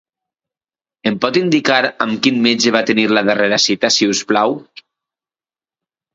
Em pot indicar amb quin metge va tenir la darrera cita, si us plau.